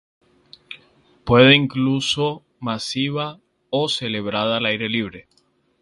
Puede incluso masiva o celebrada al aire libre.